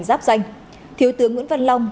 giáp danh thiếu tướng nguyễn văn long